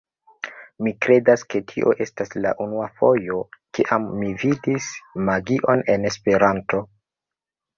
Mi kredas, ke tio estas la unua fojo, kiam mi vidis magion en Esperanto